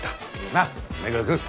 なっ目黒くん。